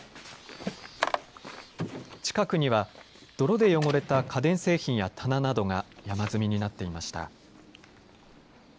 近くには泥で汚れた家電製品や棚などが山積みになっていました。